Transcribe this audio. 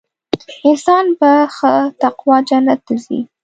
انسان په ښه تقوا جنت ته ځي .